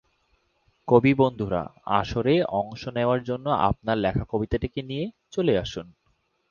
কবি বন্ধুরা, আসরে অংশ নেওয়ার জন্য আপনার লেখা কবিতাটি নিয়ে চলে আসুন।